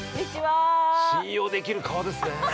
信用できる顔ですね。